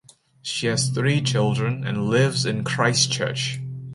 She has three children and lives in Christchurch.